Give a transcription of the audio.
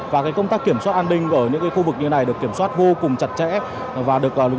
và công tác kiểm soát an ninh ở những khu vực như này được kiểm soát vô cùng chặt chẽ và được vào lực lượng